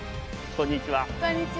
こんにちは。